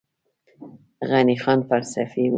غني خان فلسفي و